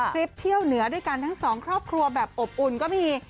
คลิปเที่ยวเหนือด้วยกันทั้งสองครอบครัวแบบอบอุ่นก็มี